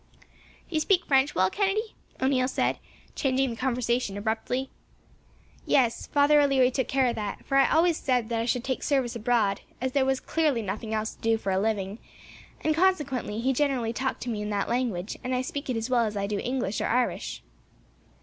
"Do you speak French well, Kennedy?" O'Neil said, changing the conversation abruptly. "Yes. Father O'Leary took care of that, for I always said that I should take service abroad, as there was clearly nothing else to do for a living, and, consequently, he generally talked to me in that language, and I speak it as well as I do English or Irish."